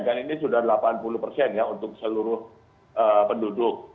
dan ini sudah delapan puluh persen ya untuk seluruh penduduk